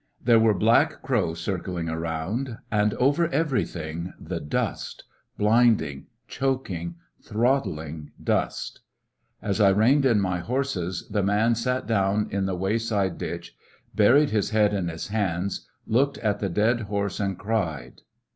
There were black crows cir cling around, and over everything the dust blinding, choking, throttling dust ! As I reined in my horses, the man sat down in the wayside ditch, buried his head in his hands, looked at the dead horse, and cried.